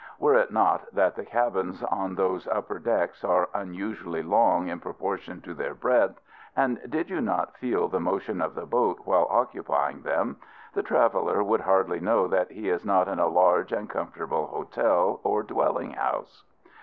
Were it not that the cabins on those upper decks are unusually long in proportion to their breadth, and did you not feel the motion of the boat while occupying them, the traveler would hardly know that he was not in a large and comfortable hotel or dwelling house.